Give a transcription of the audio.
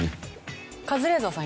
カズレーザーさん